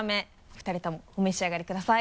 ２人ともお召し上がりください。